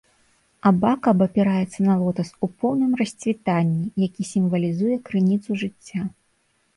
Абака абапіраецца на лотас у поўным расцвітанні, які сімвалізуе крыніцу жыцця.